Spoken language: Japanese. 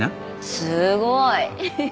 すごーい。